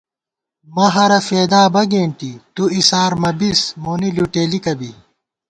مَہَرہ فېدا بہ گېنی تُو اِسار مہ بِس مونی لُٹېلِکہ بی